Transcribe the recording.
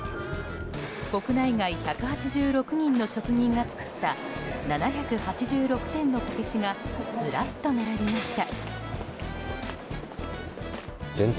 国内外１８６人の職人が作った７８６点のこけしがずらっと並びました。